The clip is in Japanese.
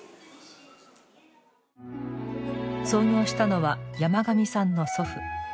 創業したのは山上さんの祖父。